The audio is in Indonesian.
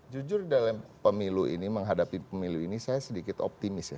jujur dalam pemilu ini menghadapi pemilu ini saya sedikit optimis ya